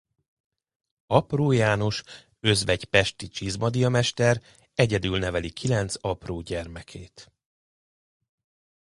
Apró János özvegy pesti csizmadia mester egyedül neveli kilenc apró gyermekét.